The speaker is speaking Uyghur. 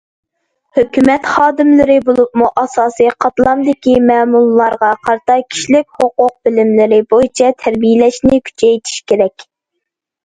ھۆكۈمەت خادىملىرى، بولۇپمۇ ئاساسىي قاتلامدىكى مەمۇرلارغا قارىتا كىشىلىك ھوقۇق بىلىملىرى بويىچە تەربىيەلەشنى كۈچەيتىش كېرەك.